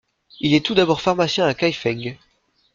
Il est tout d'abord pharmacien à Kaifeng.